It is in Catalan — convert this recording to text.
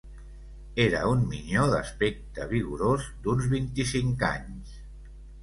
Era un minyó d'aspecte vigorós, d'uns vint-i-cinc anys